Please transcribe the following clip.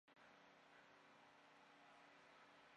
Ya en el mes de noviembre se celebra la fiesta de Gracias.